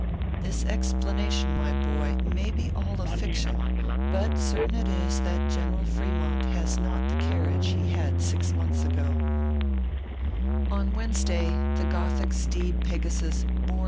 This explanation, my boy, may be all a fiction, but certain it is that General Fremont has not the carriage he had six months ago/ On Wednesday the gothic steed Pegasus bore me ORPHEUS C.